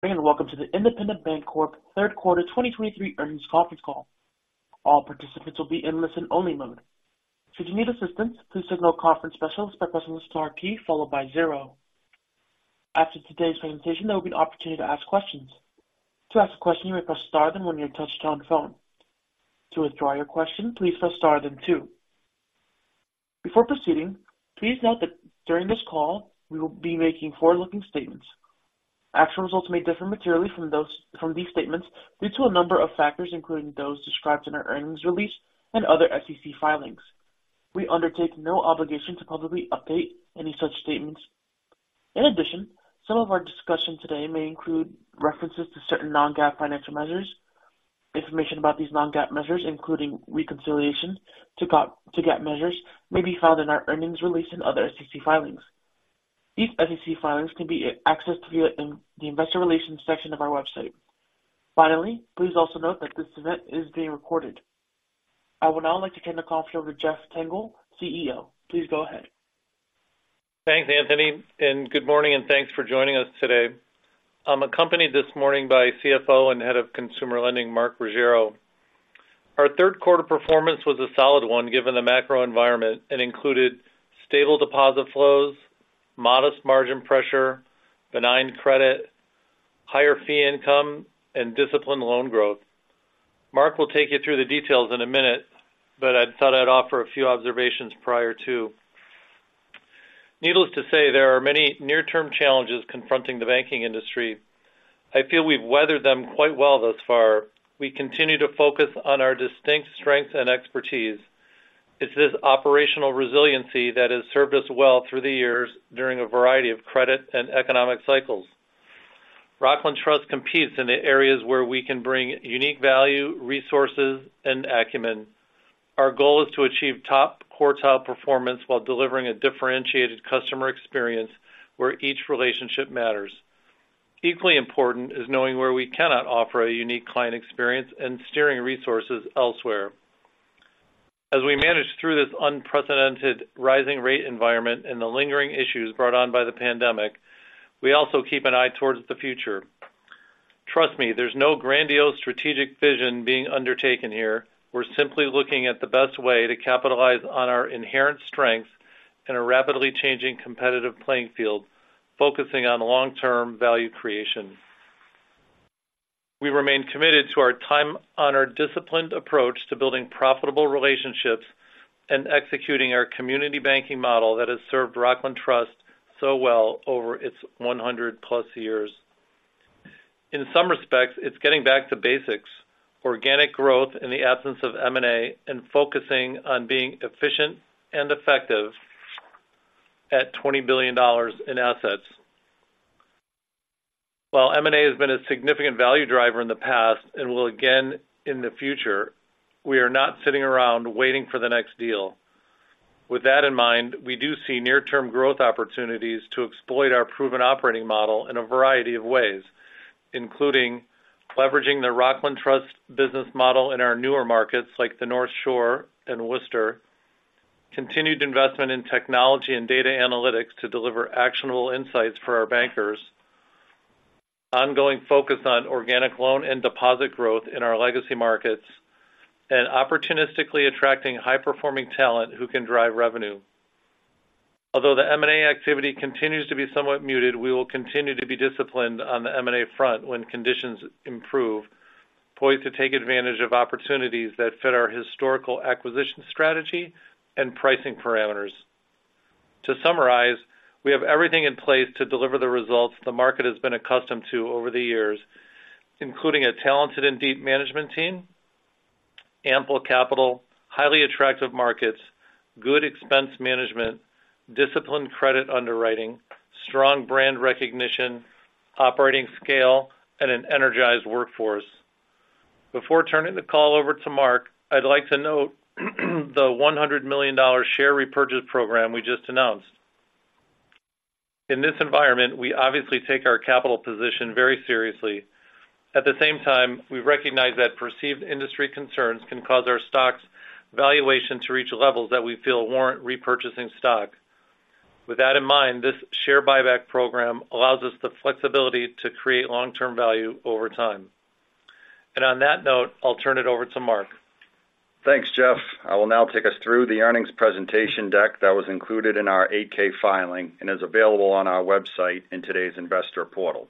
Welcome to the Independent Bank Corp. Third Quarter 2023 Earnings Conference Call. All participants will be in listen-only mode. Should you need assistance, please signal a conference specialist by pressing the star key followed by zero. After today's presentation, there will be an opportunity to ask questions. To ask a question, you may press star, then one on your touch-tone phone. To withdraw your question, please press star then two. Before proceeding, please note that during this call, we will be making forward-looking statements. Actual results may differ materially from these statements due to a number of factors, including those described in our earnings release and other SEC filings. We undertake no obligation to publicly update any such statements. In addition, some of our discussion today may include references to certain non-GAAP financial measures. Information about these non-GAAP measures, including reconciliation to GAAP measures, may be found in our earnings release and other SEC filings. These SEC filings can be accessed in the Investor Relations section of our website. Finally, please also note that this event is being recorded. I would now like to turn the call over to Jeff Tengel, CEO. Please go ahead. Thanks, Anthony, and good morning, and thanks for joining us today. I'm accompanied this morning by CFO and Head of Consumer Lending, Mark Ruggiero. Our third quarter performance was a solid one, given the macro environment, and included stable deposit flows, modest margin pressure, benign credit, higher fee income, and disciplined loan growth. Mark will take you through the details in a minute, but I thought I'd offer a few observations prior to. Needless to say, there are many near-term challenges confronting the banking industry. I feel we've weathered them quite well thus far. We continue to focus on our distinct strengths and expertise. It's this operational resiliency that has served us well through the years during a variety of credit and economic cycles. Rockland Trust competes in the areas where we can bring unique value, resources, and acumen. Our goal is to achieve top quartile performance while delivering a differentiated customer experience where each relationship matters. Equally important is knowing where we cannot offer a unique client experience and steering resources elsewhere. As we manage through this unprecedented rising rate environment and the lingering issues brought on by the pandemic, we also keep an eye towards the future. Trust me, there's no grandiose strategic vision being undertaken here. We're simply looking at the best way to capitalize on our inherent strengths in a rapidly changing competitive playing field, focusing on long-term value creation. We remain committed to our time-honored, disciplined approach to building profitable relationships and executing our community banking model that has served Rockland Trust so well over its 100+ years. In some respects, it's getting back to basics, organic growth in the absence of M&A, and focusing on being efficient and effective at $20 billion in assets. While M&A has been a significant value driver in the past and will again in the future, we are not sitting around waiting for the next deal. With that in mind, we do see near-term growth opportunities to exploit our proven operating model in a variety of ways, including leveraging the Rockland Trust business model in our newer markets, like the North Shore and Worcester, continued investment in technology and data analytics to deliver actionable insights for our bankers, ongoing focus on organic loan and deposit growth in our legacy markets, and opportunistically attracting high-performing talent who can drive revenue. Although the M&A activity continues to be somewhat muted, we will continue to be disciplined on the M&A front when conditions improve, poised to take advantage of opportunities that fit our historical acquisition strategy and pricing parameters. To summarize, we have everything in place to deliver the results the market has been accustomed to over the years, including a talented and deep management team, ample capital, highly attractive markets, good expense management, disciplined credit underwriting, strong brand recognition, operating scale, and an energized workforce. Before turning the call over to Mark, I'd like to note the $100 million share repurchase program we just announced. In this environment, we obviously take our capital position very seriously. At the same time, we recognize that perceived industry concerns can cause our stock's valuation to reach levels that we feel warrant repurchasing stock. With that in mind, this share buyback program allows us the flexibility to create long-term value over time. On that note, I'll turn it over to Mark. Thanks, Jeff. I will now take us through the earnings presentation deck that was included in our 8-K filing and is available on our website in today's investor portal.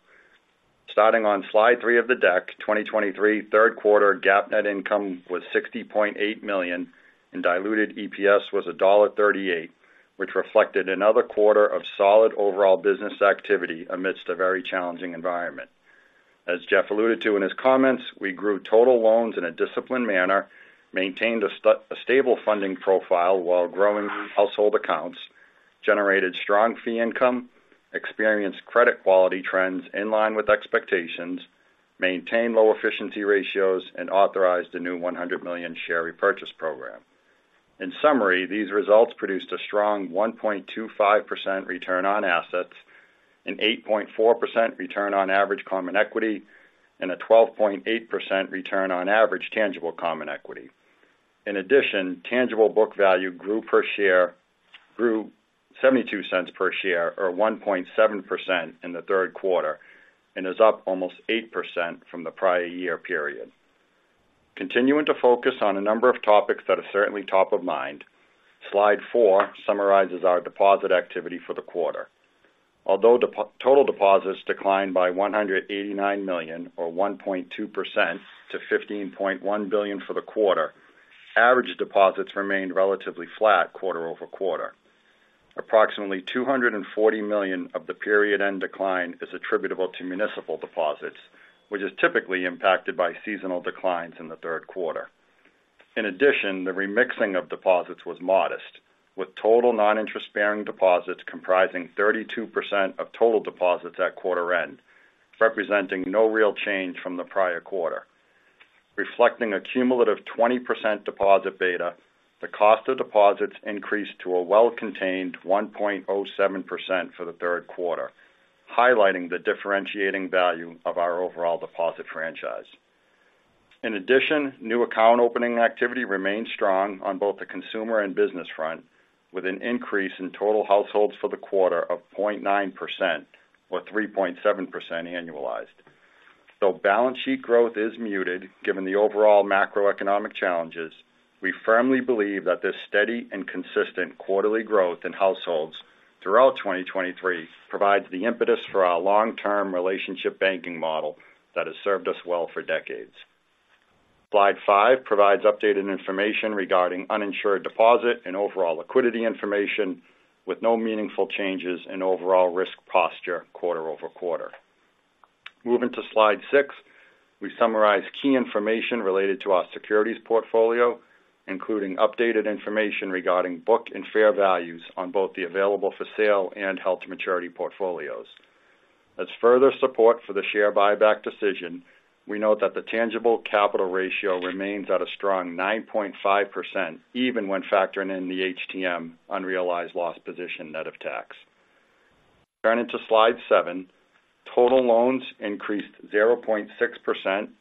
Starting on slide three of the deck, 2023, third quarter GAAP net income was $60.8 million, and diluted EPS was $1.38, which reflected another quarter of solid overall business activity amidst a very challenging environment. As Jeff alluded to in his comments, we grew total loans in a disciplined manner, maintained a stable funding profile while growing household accounts, generated strong fee income, experienced credit quality trends in line with expectations, maintained low efficiency ratios, and authorized a new $100 million share repurchase program. In summary, these results produced a strong 1.25% return on assets, an 8.4% return on average common equity, and a 12.8% return on average tangible common equity. In addition, tangible book value grew $0.72 per share, or 1.7% in the third quarter, and is up almost 8% from the prior year period. Continuing to focus on a number of topics that are certainly top of mind, slide four summarizes our deposit activity for the quarter. Although total deposits declined by $189 million, or 1.2% to $15.1 billion for the quarter, average deposits remained relatively flat quarter-over-quarter. Approximately $240 million of the period-end decline is attributable to municipal deposits, which is typically impacted by seasonal declines in the third quarter. In addition, the remixing of deposits was modest, with total non-interest-bearing deposits comprising 32% of total deposits at quarter end, representing no real change from the prior quarter. Reflecting a cumulative 20% deposit beta, the cost of deposits increased to a well-contained 1.07% for the third quarter, highlighting the differentiating value of our overall deposit franchise. In addition, new account opening activity remained strong on both the consumer and business front, with an increase in total households for the quarter of 0.9% or 3.7% annualized. Though balance sheet growth is muted, given the overall macroeconomic challenges, we firmly believe that this steady and consistent quarterly growth in households throughout 2023 provides the impetus for our long-term relationship banking model that has served us well for decades. Slide five provides updated information regarding uninsured deposit and overall liquidity information, with no meaningful changes in overall risk posture quarter-over-quarter. Moving to slide six, we summarize key information related to our securities portfolio, including updated information regarding book and fair values on both the available-for-sale and held-to-maturity portfolios. As further support for the share buyback decision, we note that the tangible capital ratio remains at a strong 9.5%, even when factoring in the HTM unrealized loss position net of tax. Turning to slide seven, total loans increased 0.6%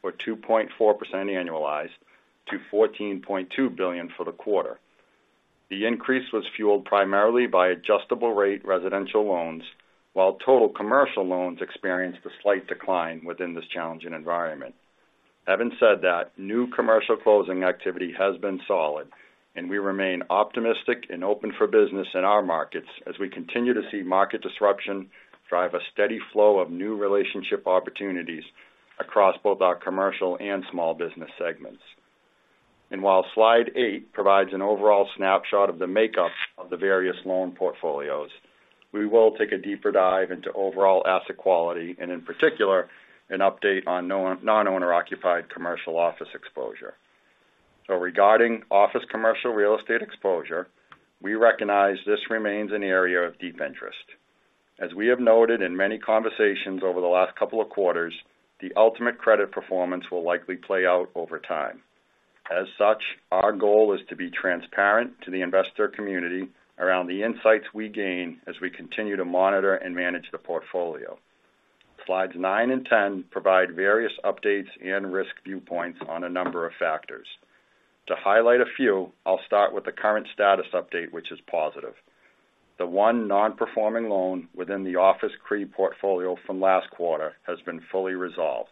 or 2.4% annualized to $14.2 billion for the quarter. The increase was fueled primarily by adjustable-rate residential loans, while total commercial loans experienced a slight decline within this challenging environment. Having said that, new commercial closing activity has been solid, and we remain optimistic and open for business in our markets as we continue to see market disruption drive a steady flow of new relationship opportunities across both our commercial and small business segments. While slide eight provides an overall snapshot of the makeup of the various loan portfolios, we will take a deeper dive into overall asset quality, and in particular, an update on non-owner-occupied commercial office exposure. Regarding office commercial real estate exposure, we recognize this remains an area of deep interest. As we have noted in many conversations over the last couple of quarters, the ultimate credit performance will likely play out over time. As such, our goal is to be transparent to the investor community around the insights we gain as we continue to monitor and manage the portfolio. Slides nine and 10 provide various updates and risk viewpoints on a number of factors. To highlight a few, I'll start with the current status update, which is positive. The one non-performing loan within the office CRE portfolio from last quarter has been fully resolved,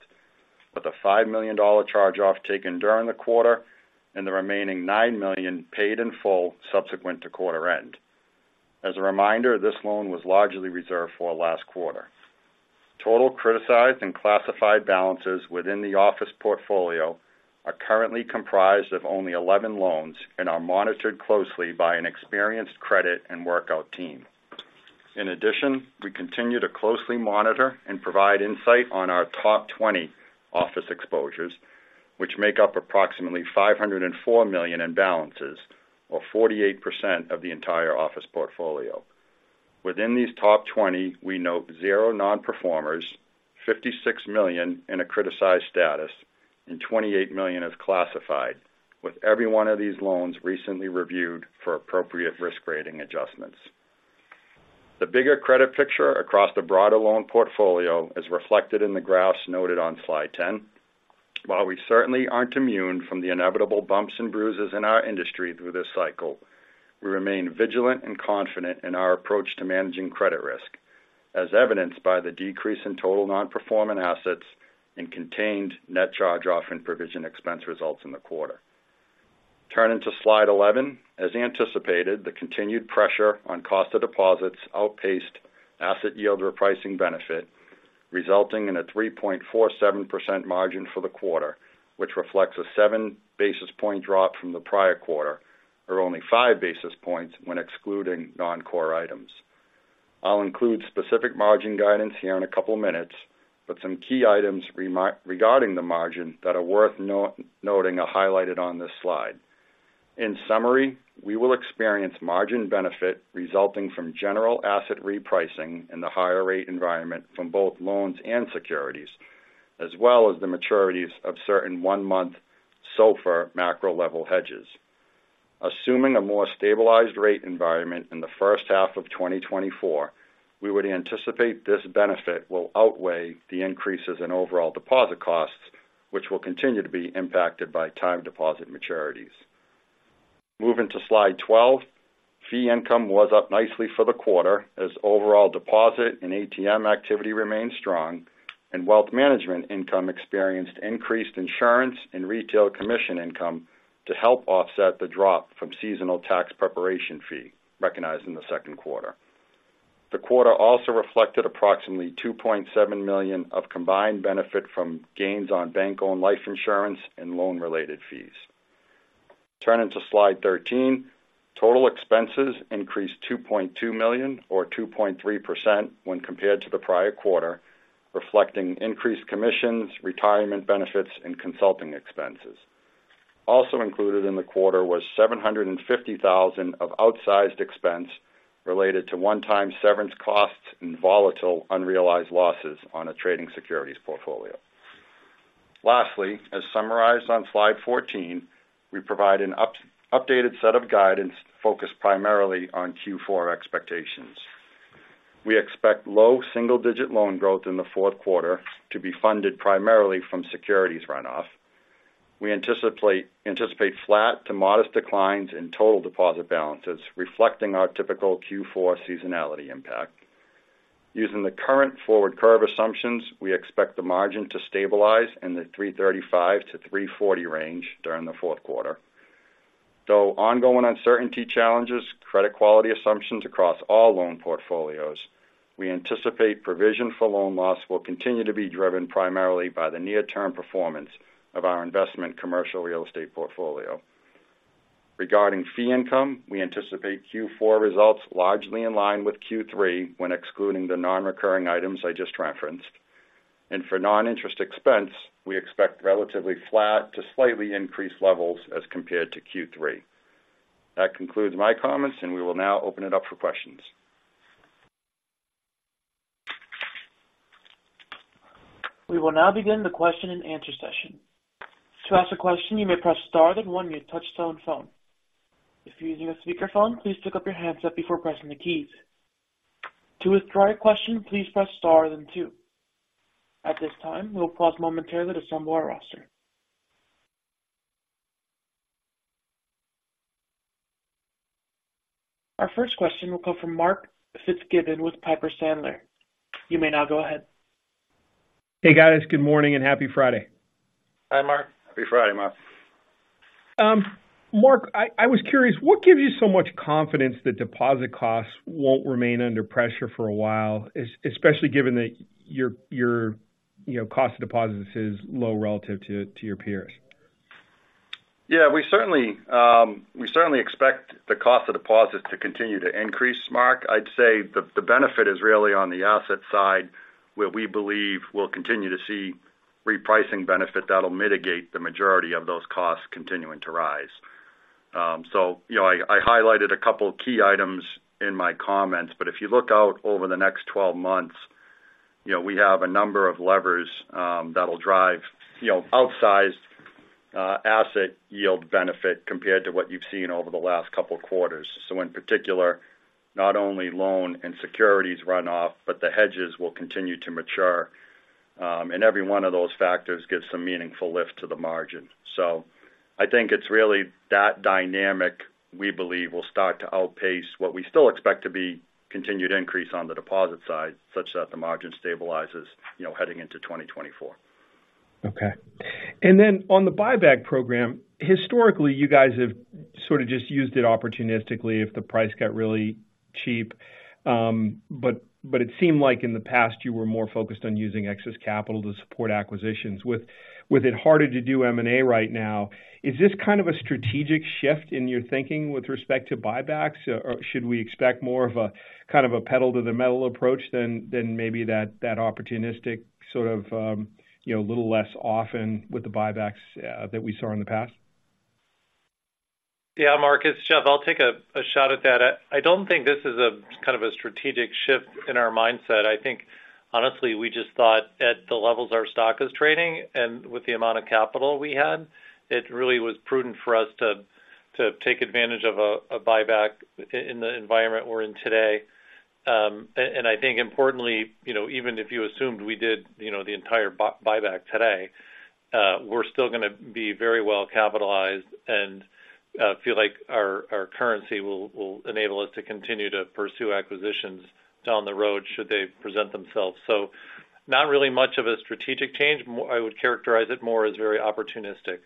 with a $5 million charge-off taken during the quarter and the remaining $9 million paid in full subsequent to quarter end. As a reminder, this loan was largely reserved for last quarter. Total criticized and classified balances within the office portfolio are currently comprised of only 11 loans and are monitored closely by an experienced credit and workout team. In addition, we continue to closely monitor and provide insight on our top 20 office exposures, which make up approximately $504 million in balances, or 48% of the entire office portfolio. Within these top 20, we note zero nonperformers, $56 million in a criticized status, and $28 million is classified, with every one of these loans recently reviewed for appropriate risk rating adjustments. The bigger credit picture across the broader loan portfolio is reflected in the graphs noted on slide 10. While we certainly aren't immune from the inevitable bumps and bruises in our industry through this cycle, we remain vigilant and confident in our approach to managing credit risk, as evidenced by the decrease in total nonperforming assets and contained net charge-off and provision expense results in the quarter. Turning to slide 11. As anticipated, the continued pressure on cost of deposits outpaced asset yield repricing benefit, resulting in a 3.47% margin for the quarter, which reflects a seven basis point drop from the prior quarter, or only five basis points when excluding non-core items. I'll include specific margin guidance here in a couple of minutes, but some key items regarding the margin that are worth noting are highlighted on this slide. In summary, we will experience margin benefit resulting from general asset repricing in the higher rate environment from both loans and securities, as well as the maturities of certain one-month SOFR macro level hedges. Assuming a more stabilized rate environment in the first half of 2024, we would anticipate this benefit will outweigh the increases in overall deposit costs which will continue to be impacted by time deposit maturities. Moving to slide 12, fee income was up nicely for the quarter as overall deposit and ATM activity remained strong, and wealth management income experienced increased insurance and retail commission income to help offset the drop from seasonal tax preparation fee recognized in the second quarter. The quarter also reflected approximately $2.7 million of combined benefit from gains on bank-owned life insurance and loan-related fees. Turning to slide 13. Total expenses increased $2.2 million or 2.3% when compared to the prior quarter, reflecting increased commissions, retirement benefits, and consulting expenses. Also included in the quarter was $750,000 of outsized expense related to one-time severance costs and volatile unrealized losses on a trading securities portfolio. Lastly, as summarized on slide 14, we provide an updated set of guidance focused primarily on fourth quarter expectations. We expect low single-digit loan growth in the fourth quarter to be funded primarily from securities runoff. We anticipate flat to modest declines in total deposit balances, reflecting our typical fourth quarter seasonality impact. Using the current forward curve assumptions, we expect the margin to stabilize in the 3.35% to 3.40% range during the fourth quarter. Though ongoing uncertainty challenges credit quality assumptions across all loan portfolios, we anticipate provision for loan loss will continue to be driven primarily by the near-term performance of our investment commercial real estate portfolio. Regarding fee income, we anticipate fourth quarter results largely in line with third quarter when excluding the nonrecurring items I just referenced. For non-interest expense, we expect relatively flat to slightly increased levels as compared to third quarter. That concludes my comments, and we will now open it up for questions. We will now begin the question-and-answer session. To ask a question, you may press star, then one on your touch-tone phone. If you're using a speakerphone, please pick up your handset before pressing the keys. To withdraw your question, please press star, then two. At this time, we'll pause momentarily to assemble our roster. Our first question will come from Mark Fitzgibbon with Piper Sandler. You may now go ahead. Hey, guys. Good morning, and happy Friday. Hi, Mark. Happy Friday, Mark. Mark, I was curious, what gives you so much confidence that deposit costs won't remain under pressure for a while, especially given that your, you know, cost of deposits is low relative to your peers? Yeah, we certainly expect the cost of deposits to continue to increase, Mark. I'd say the benefit is really on the asset side, where we believe we'll continue to see repricing benefit that'll mitigate the majority of those costs continuing to rise. You know, I highlighted a couple of key items in my comments, but if you look out over the next 12 months, you know, we have a number of levers that'll drive, you know, outsized asset yield benefit compared to what you've seen over the last couple of quarters. In particular, not only loan and securities runoff, but the hedges will continue to mature, and every one of those factors gives some meaningful lift to the margin. I think it's really that dynamic we believe will start to outpace what we still expect to be continued increase on the deposit side, such that the margin stabilizes, you know, heading into 2024. Okay. On the buyback program, historically, you guys have sort of just used it opportunistically if the price got really cheap. But it seemed like in the past, you were more focused on using excess capital to support acquisitions. With it harder to do M&A right now, is this kind of a strategic shift in your thinking with respect to buybacks? Or should we expect more of a kind of a pedal to the metal approach than maybe that opportunistic sort of, you know, little less often with the buybacks that we saw in the past? Yeah, Mark, it's Jeff. I'll take a shot at that. I don't think this is a kind of a strategic shift in our mindset. I think, honestly, we just thought at the levels our stock is trading and with the amount of capital we had, it really was prudent for us to take advantage of a buyback in the environment we're in today. I think importantly, you know, even if you assumed we did, you know, the entire buyback today, we're still gonna be very well capitalized and feel like our currency will enable us to continue to pursue acquisitions down the road should they present themselves. Not really much of a strategic change. I would characterize it more as very opportunistic.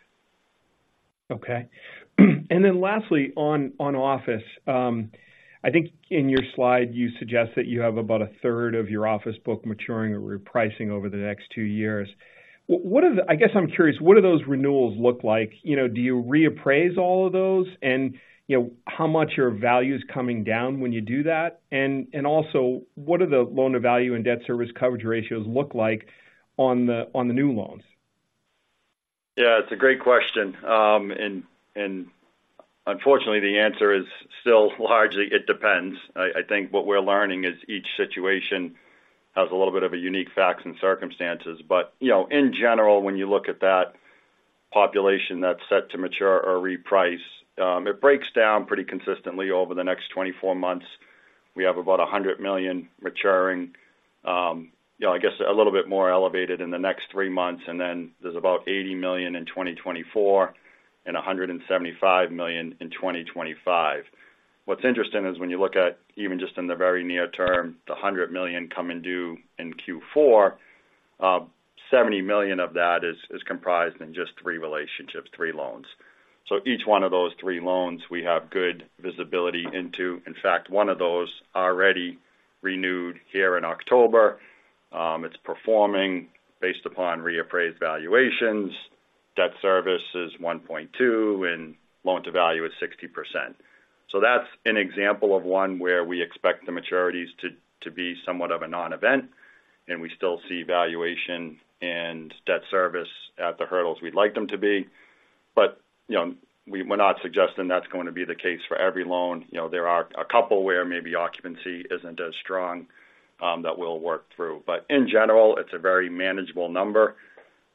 Yeah, it's a great question. Unfortunately, the answer is still largely, it depends. I think what we're learning is each situation has a little bit of a unique facts and circumstances. You know, in general, when you look at that population that's set to mature or reprice, it breaks down pretty consistently over the next 24 months. We have about $100 million maturing. You know, I guess, a little bit more elevated in the next three months, and then there's about $80 million in 2024, and $175 million in 2025. What's interesting is when you look at even just in the very near term, the $100 million coming due in fourth quarter, $70 million of that is comprised in just three relationships, three loans. Each one of those three loans, we have good visibility into. In fact, one of those already renewed here in October. It's performing based upon reappraised valuations. Debt service is 1.2, and loan-to-value is 60%. That's an example of one where we expect the maturities to be somewhat of a non-event, and we still see valuation and debt service at the hurdles we'd like them to be. You know, we're not suggesting that's going to be the case for every loan. You know, there are a couple where maybe occupancy isn't as strong that we'll work through. In general, it's a very manageable number.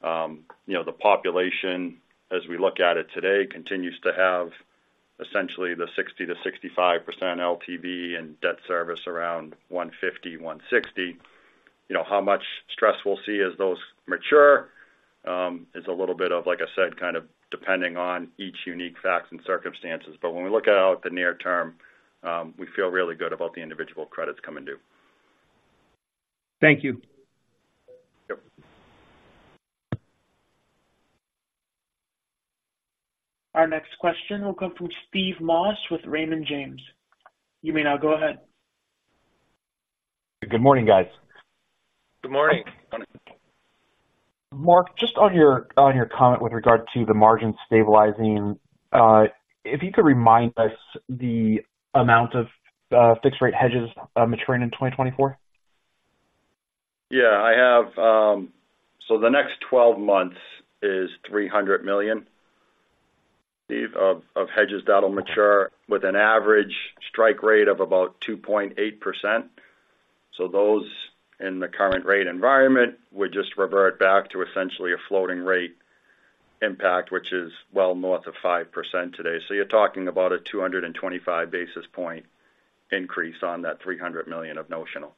You know, the population, as we look at it today, continues to have essentially the 60% to 65% LTV and debt service around $150 to 160 million. You know, how much stress we'll see as those mature is a little bit of, like I said, kind of depending on each unique facts and circumstances. When we look out the near term, we feel really good about the individual credits coming due. Thank you. Yep. Our next question will come from Steve Moss with Raymond James. You may now go ahead. Good morning, guys. Good morning. Good morning. Mark, just on your comment with regard to the margin stabilizing, if you could remind us the amount of fixed-rate hedges maturing in 2024? Yeah, I have. The next 12 months is $300 million, Steve, of hedges that'll mature with an average strike rate of about 2.8%. Those in the current rate environment would just revert back to essentially a floating rate impact, which is well north of 5% today. You're talking about a 225 basis point increase on that $300 million of notional.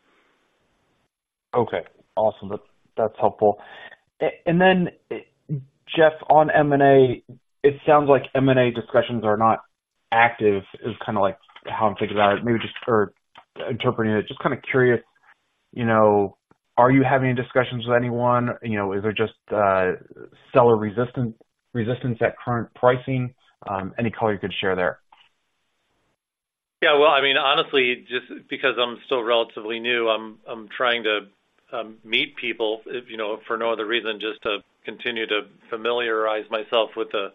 Okay, awesome. That's helpful. Jeff, on M&A, it sounds like M&A discussions are not active, is kind of like how I'm thinking about it. Maybe just for interpreting it, just kind of curious, you know, are you having discussions with anyone? You know, is there just seller resistance at current pricing? Any color you could share there? Yeah, well, I mean, honestly, just because I'm still relatively new, I'm trying to meet people, if you know, for no other reason than just to continue to familiarize myself with the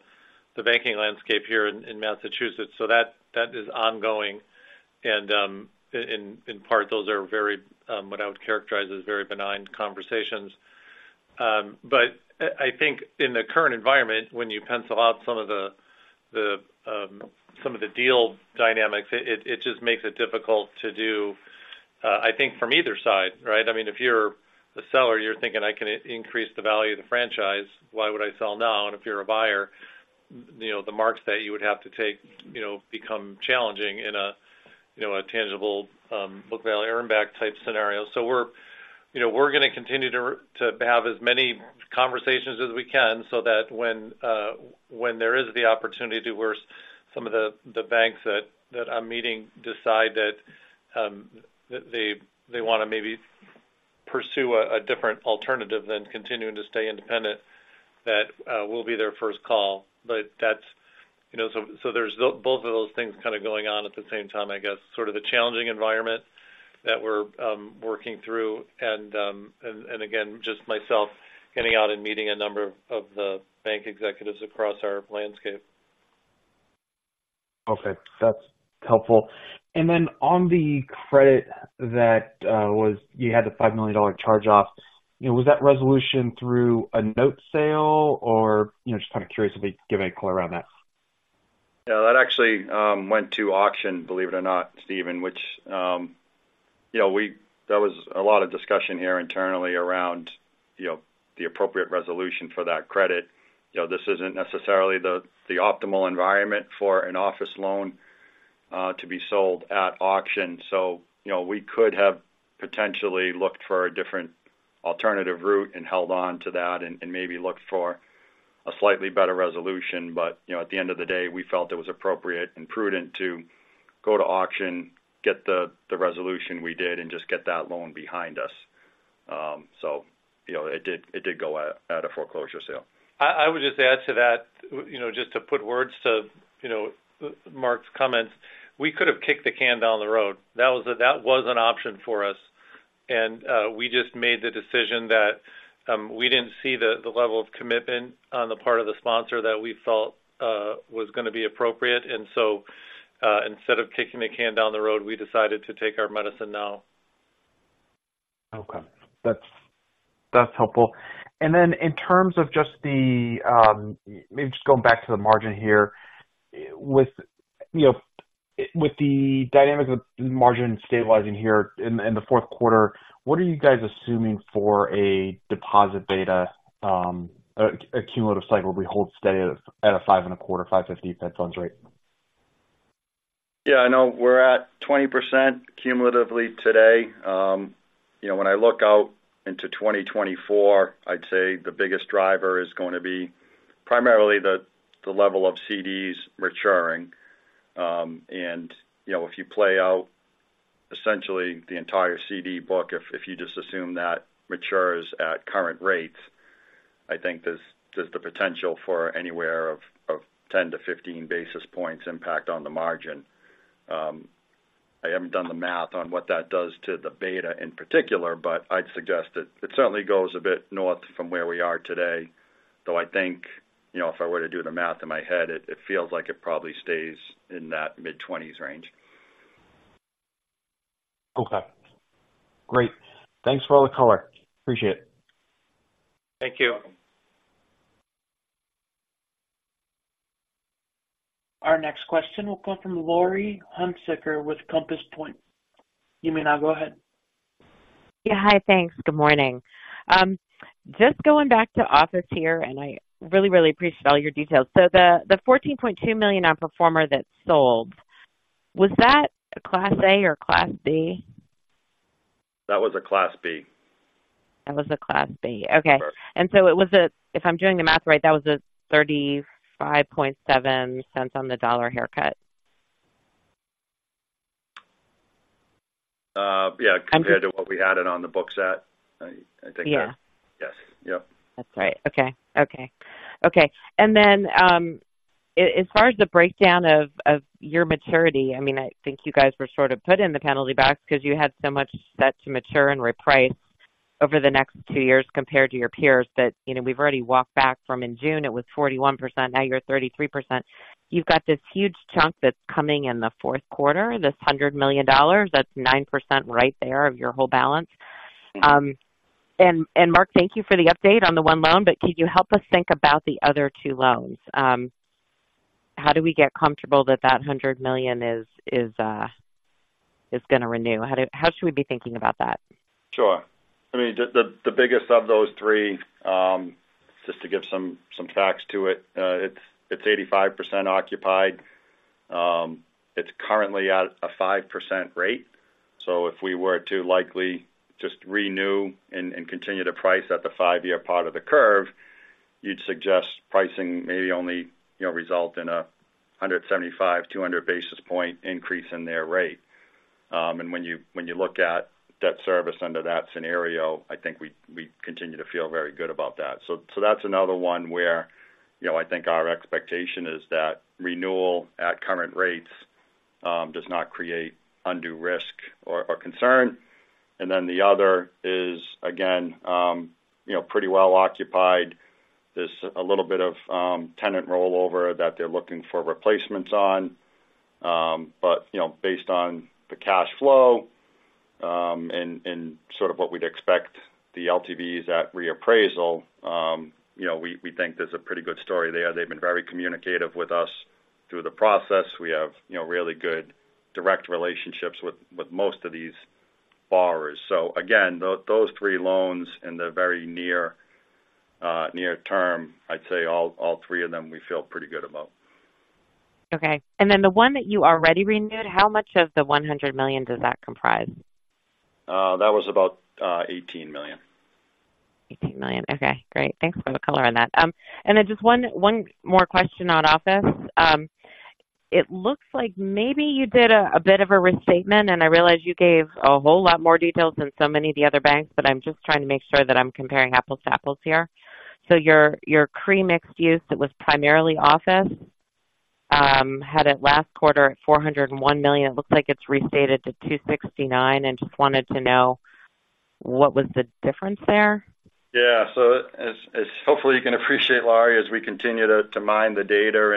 banking landscape here in Massachusetts. That is ongoing. In part, those are very what I would characterize as very benign conversations. I think in the current environment, when you pencil out some of the deal dynamics, it just makes it difficult to do, I think, from either side, right? I mean, if you're the seller, you're thinking, "I can increase the value of the franchise. Why would I sell now?" If you're a buyer, you know, the marks that you would have to take, you know, become challenging in a, you know, tangible book value earn back type scenario. We're, you know, gonna continue to have as many conversations as we can so that when there is the opportunity to where some of the banks that I'm meeting decide that they wanna maybe pursue a different alternative than continuing to stay independent, that we'll be their first call. That's... You know, there's both of those things kind of going on at the same time, I guess, sort of the challenging environment that we're working through, and again, just myself getting out and meeting a number of the bank executives across our landscape. Okay. That's helpful. On the credit that you had the $5 million charge-off, you know, was that resolution through a note sale, or, you know, just kind of curious if you could give any color around that? I would just add to that, you know, just to put words to, you know, Mark's comments, we could have kicked the can down the road. That was an option for us, and we just made the decision that we didn't see the level of commitment on the part of the sponsor that we felt was gonna be appropriate. Instead of kicking the can down the road, we decided to take our medicine now. Okay. That's helpful. In terms of maybe just going back to the margin here. With, you know, the dynamics of margin stabilizing here in the fourth quarter, what are you guys assuming for a deposit beta, a cumulative cycle where we hold steady at a 5.25% to 5.50% Fed funds rate? Yeah, I know we're at 20% cumulatively today. You know, when I look out into 2024, I'd say the biggest driver is going to be primarily the level of C.D.s maturing. You know, if you play out essentially the entire C.D. book, if you just assume that matures at current rates, I think there's the potential for anywhere of 10 basis points to 15 basis points impact on the margin. I haven't done the math on what that does to the beta in particular, but I'd suggest that it certainly goes a bit north from where we are today. Though, I think, you know, if I were to do the math in my head, it feels like it probably stays in that mid-20s range. Okay. Great. Thanks for all the color. Appreciate it. Thank you. Our next question will come from Laurie Hunsicker with Compass Point. You may now go ahead. Yeah. Hi. Thanks. Good morning. Just going back to office here, and I really, really appreciate all your details. The $14.2 million outperformer that sold, was that a Class A or Class B? That was a Class B. That was a Class B. Correct. Okay. If I'm doing the math right, that was a $0.357 on the dollar haircut. Yeah, compared to what we had it on the books at, I think that. Yeah. Yes. Yep. That's right. Okay. Okay. Okay. As far as the breakdown of your maturity, I mean, I think you guys were sort of put in the penalty box because you had so much set to mature and reprice over the next two years compared to your peers, that, you know, we've already walked back from in June, it was 41%, now you're 33%. You've got this huge chunk that's coming in the fourth quarter, this $100 million, that's 9% right there of your whole balance. Mark, thank you for the update on the one loan, but can you help us think about the other two loans? How do we get comfortable that $100 million is going to renew? How should we be thinking about that? Sure. I mean, the biggest of those three, just to give some facts to it, it's 85% occupied. It's currently at a 5% rate, so if we were to likely just renew and continue to price at the five-year part of the curve, you'd suggest pricing maybe only, you know, result in a 175-basis point to 200-basis point increase in their rate. When you look at debt service under that scenario, I think we continue to feel very good about that. That's another one where, you know, I think our expectation is that renewal at current rates does not create undue risk or concern. The other is, again, you know, pretty well occupied. There's a little bit of tenant rollover that they're looking for replacements on. You know, based on the cash flow and sort of what we'd expect the LTVs at reappraisal, you know, we think there's a pretty good story there. They've been very communicative with us through the process. We have, you know, really good direct relationships with most of these borrowers. Again, those three loans in the very near term, I'd say all three of them, we feel pretty good about. Okay. The one that you already renewed, how much of the $100 million does that comprise? That was about $18 million. Yeah. As hopefully you can appreciate, Laurie, as we continue to mine the data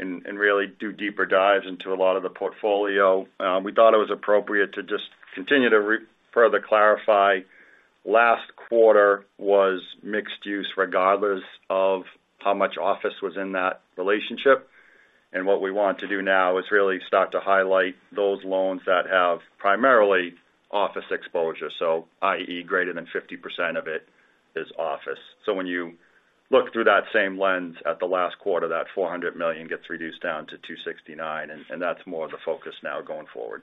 and really do deeper dives into a lot of the portfolio, we thought it was appropriate to just continue to further clarify. Last quarter was mixed-use, regardless of how much office was in that relationship. What we want to do now is really start to highlight those loans that have primarily office exposure, so i.e., greater than 50% of it is office. When you look through that same lens at the last quarter, that $400 million gets reduced down to $269, and that's more of the focus now going forward.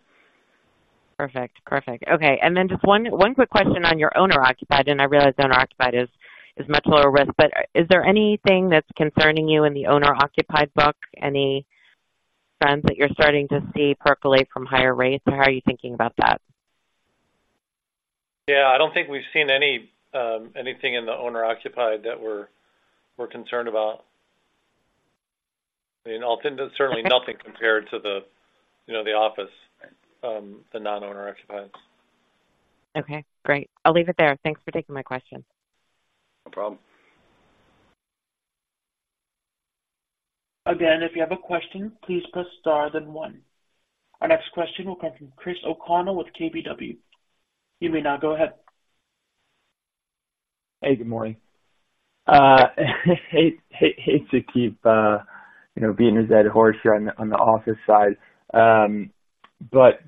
Perfect. Perfect. Okay. Just one quick question on your owner-occupied, and I realize owner-occupied is much lower risk, but is there anything that's concerning you in the owner-occupied book? Any trends that you're starting to see percolate from higher rates, or how are you thinking about that? Yeah, I don't think we've seen anything in the owner-occupied that we're concerned about. I mean, certainly nothing compared to, you know, the office, the non-owner-occupied. Okay, great. I'll leave it there. Thanks for taking my question. No problem. Again, if you have a question, please press star then one. Our next question will come from Chris O'Connell with KBW. You may now go ahead. Hey, good morning. Hate to keep, you know, beating a dead horse here on the office side.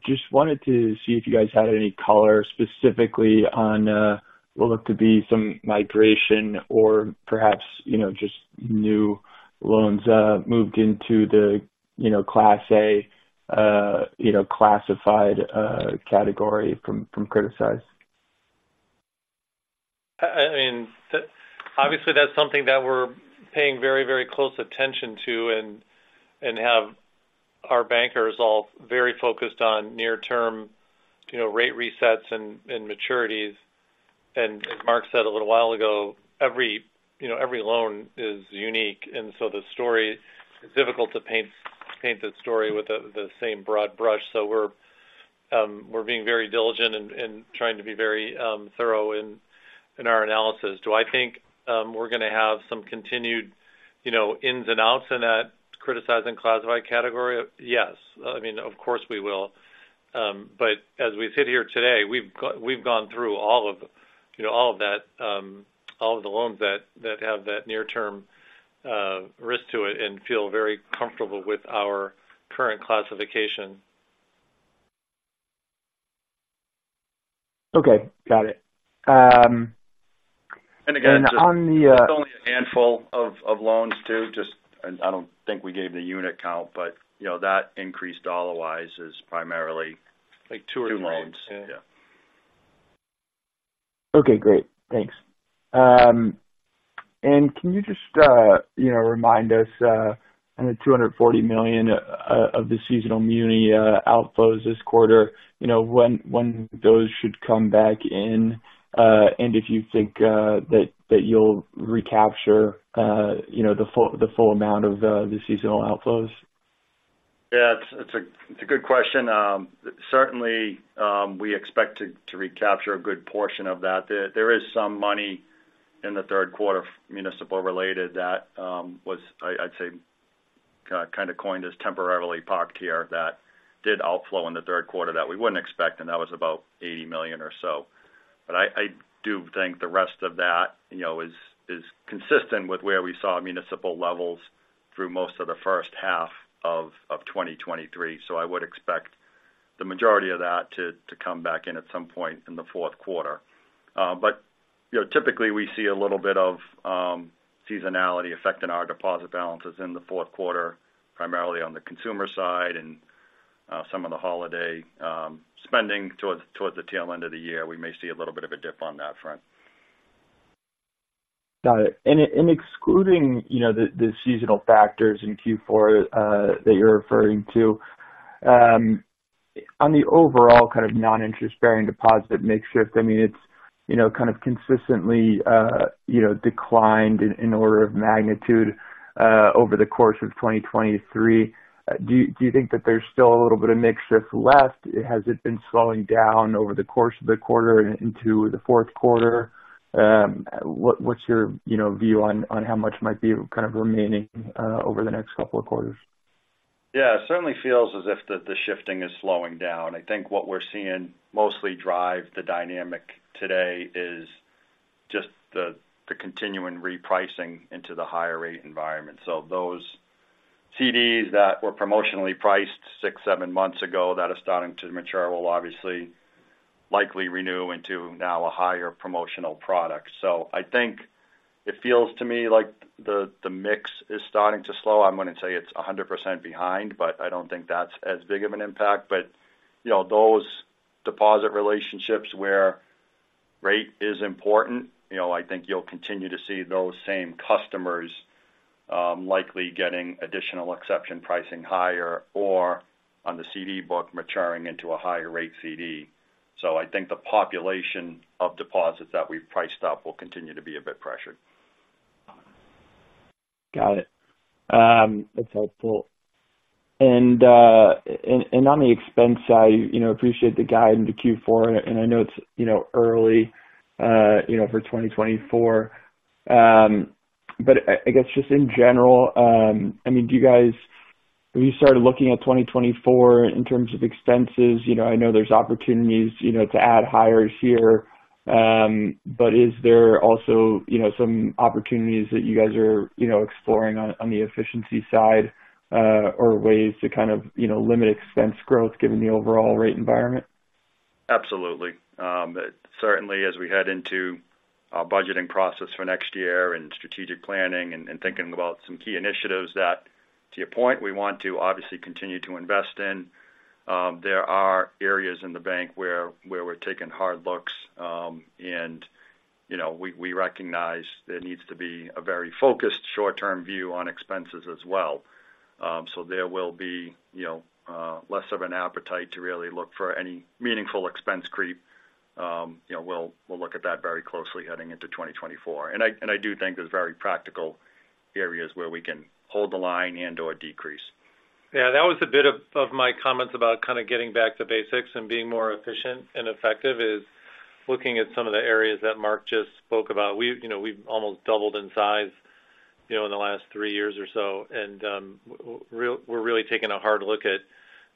Just wanted to see if you guys had any color specifically on what looked to be some migration or perhaps, you know, just new loans moved into the, you know, Class A, you know, classified category from criticized. I mean, obviously, that's something that we're paying very, very close attention to and have our bankers all very focused on near-term, you know, rate resets and maturities. As Mark said a little while ago, every, you know, loan is unique, and so the story is difficult to paint with the same broad brush. We're being very diligent and trying to be very thorough in our analysis. Do I think we're going to have some continued, you know, ins and outs in that criticized classified category? Yes. I mean, of course we will. As we sit here today, we've gone through, you know, all of that, all of the loans that have that near-term risk to it and feel very comfortable with our current classification. Okay, got it. And on the... Again, it's only a handful of loans, too. Just, and I don't think we gave the unit count, but, you know, that increased dollar-wise is primarily... Like two or three. Two loans. Yeah. Okay, great. Thanks. Can you just, you know, remind us on the $240 million of the seasonal muni outflows this quarter, you know, when those should come back in and if you think that you'll recapture, you know, the full amount of the seasonal outflows? Yeah, it's a good question. Certainly, we expect to recapture a good portion of that. There is some money in the third quarter, municipal-related that was, I'd say, kind of coined as temporarily parked here, that did outflow in the third quarter that we wouldn't expect, and that was about $80 million or so. But I do think the rest of that, you know, is consistent with where we saw municipal levels through most of the first half of 2023. So I would expect the majority of that to come back in at some point in the fourth quarter. You know, typically, we see a little bit of seasonality affecting our deposit balances in the fourth quarter, primarily on the consumer side and some of the holiday spending towards the tail end of the year. We may see a little bit of a dip on that front. Got it. Excluding, you know, the seasonal factors in fourth quarter that you're referring to, on the overall kind of non-interest-bearing deposit mix shift, I mean, it's, you know, kind of consistently, you know, declined in order of magnitude over the course of 2023. Do you think that there's still a little bit of mix shift left? Has it been slowing down over the course of the quarter and into the fourth quarter? What's your, you know, view on how much might be kind of remaining over the next couple of quarters? Yeah, it certainly feels as if the shifting is slowing down. I think what we're seeing mostly drive the dynamic today is just the continuing repricing into the higher rate environment. Those C.D.s that were promotionally priced six to seven months ago, that are starting to mature, will obviously likely renew into now a higher promotional product. I think it feels to me like the mix is starting to slow. I'm going to say it's 100% behind, but I don't think that's as big of an impact. You know, those deposit relationships where rate is important, you know, I think you'll continue to see those same customers likely getting additional exception pricing higher or on the C.D. book, maturing into a higher rate C.D. I think the population of deposits that we've priced up will continue to be a bit pressured. Got it. That's helpful. On the expense side, you know, appreciate the guide into fourth quarter, and I know it's, you know, early, you know, for 2024. But I guess just in general, I mean, have you started looking at 2024 in terms of expenses? You know, I know there's opportunities, you know, to add hires here, but is there also, you know, some opportunities that you guys are, you know, exploring on the efficiency side, or ways to kind of, you know, limit expense growth given the overall rate environment? Absolutely. Certainly as we head into our budgeting process for next year and strategic planning and thinking about some key initiatives that, to your point, we want to obviously continue to invest in. There are areas in the bank where we're taking hard looks. You know, we recognize there needs to be a very focused short-term view on expenses as well. There will be, you know, less of an appetite to really look for any meaningful expense creep. You know, we'll look at that very closely heading into 2024. I do think there's very practical areas where we can hold the line and/or decrease. Yeah, that was a bit of my comments about kind of getting back to basics and being more efficient and effective, is looking at some of the areas that Mark just spoke about. We've, you know, almost doubled in size, you know, in the last three years or so. We're really taking a hard look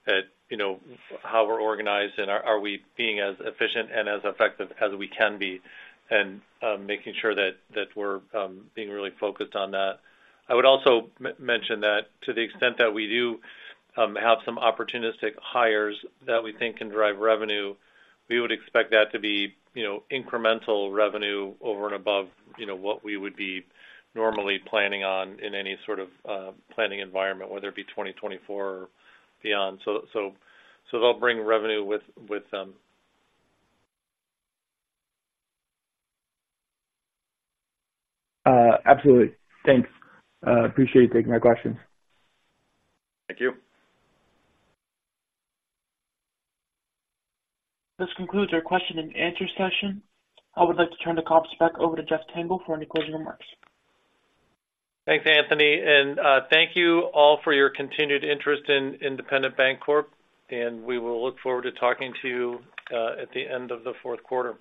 at, you know, how we're organized and are we being as efficient and as effective as we can be, and making sure that we're being really focused on that. I would also mention that to the extent that we do have some opportunistic hires that we think can drive revenue, we would expect that to be, you know, incremental revenue over and above, you know, what we would be normally planning on in any sort of planning environment, whether it be 2024 or beyond. So they'll bring revenue with them. Absolutely. Thanks. Appreciate you taking my questions. Thank you. This concludes our question-and-answer session. I would like to turn the call back over to Jeff Tengel for any closing remarks. Thanks, Anthony. Thank you all for your continued interest in Independent Bank Corp. And we will look forward to talking to you at the end of the fourth quarter.